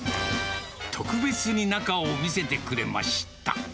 特別に中を見せてくれました。